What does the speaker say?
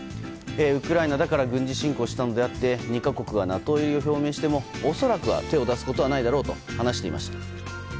ウクライナだから軍事侵攻したのであって２か国がＮＡＴＯ入りを表明しても恐らくは手を出すことはないと話していました。